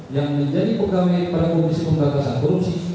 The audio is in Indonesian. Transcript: yang menjadi pegawai pada komisi pemberantasan korupsi